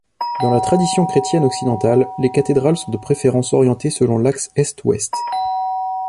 Dans la tradition chrétienne occidentale, les cathédrales sont de préférence orientées selon l'axe Est-Ouest.